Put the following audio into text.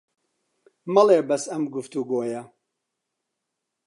مەڵێ بەس ئەم گوفتوگۆیە